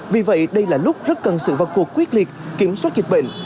vì vậy đây là lúc rất cần sự vào cuộc quyết liệt kiểm soát dịch bệnh